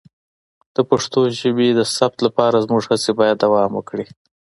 د پښتو ژبې د ثبت لپاره زموږ هڅې باید دوام وکړي.